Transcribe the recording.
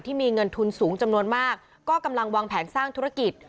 ที่มีเงินทุนสูงจำนวนมากก็กำลังวางแผนสร้างธุรกิจ